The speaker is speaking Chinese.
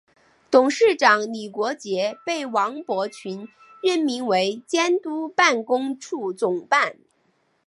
董事长李国杰被王伯群任命为监督办公处总办。